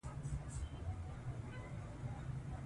اخلاق د ټولنې نظم ساتي او ګډ ژوند د خلکو لپاره اسانوي.